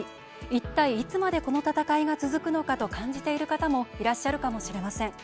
一体、いつまでこの闘いが続くのかと感じている方もいらっしゃるかもしれません。